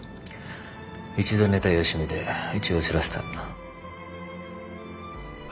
一度寝たよしみで一応知らせた。